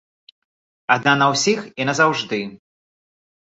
Адна на ўсіх і назаўжды.